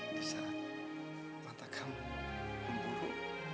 disaat mata kamu memburu